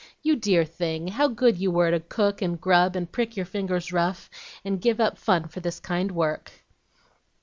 You dear thing! how good you were to cook, and grub, and prick your fingers rough, and give up fun, for this kind work!"